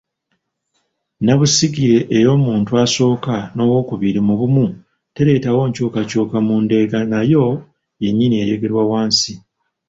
Nnabusigire ey’omuntu asooka n’ow’okubiri mu bumu tereetawo nkyukakyuka mu ndeega nayo yennyini ereegerwa wansi.